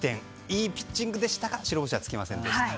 いいピッチングでしたが白星はつきませんでした。